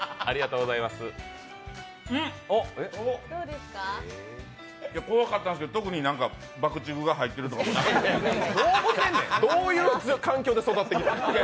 うん！怖かったんですけど特に爆竹が入ってるわけでもなくどういう環境で育ってきたの？